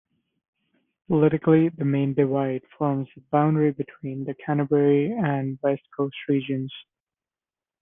Politically, the Main Divide forms the boundary between the Canterbury and West Coast Regions.